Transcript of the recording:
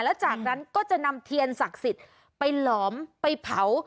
แล้วจากนั้นก็จะนำเทียนศักดิ์สิทธิ์ไปหลอมไปเผา